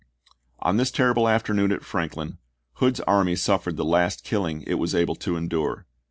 On this terrible afternoon at Franklin, Hood's army suffered the last killing it was able to endure.